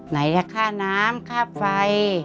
ไหนจะค่าน้ำค่าไฟ